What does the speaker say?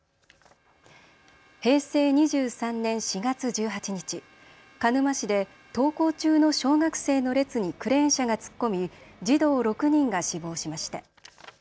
平成２３年４月１８日、鹿沼市で登校中の小学生の列にクレーン車が突っ込み児童６人が死亡しました。